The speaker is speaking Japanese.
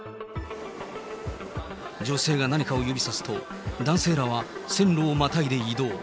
女性が何かを指さすと、男性らは線路をまたいで移動。